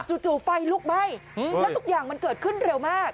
จู่ไฟลุกไหม้แล้วทุกอย่างมันเกิดขึ้นเร็วมาก